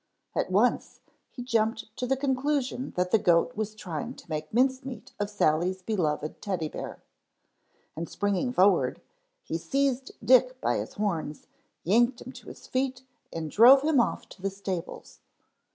At once he jumped to the conclusion that the goat was trying to make mince meat of Sally's beloved Teddy bear. And springing forward—he seized Dick by his horns, yanked him to his feet and drove him off to the stables.